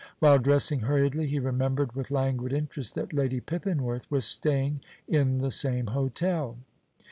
While dressing hurriedly he remembered with languid interest that Lady Pippinworth was staying in the same hotel.